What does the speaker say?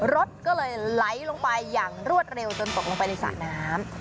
รถก็เลยไหลลงไปอย่างรวดเร็วจนตกลงไปในสระน้ำ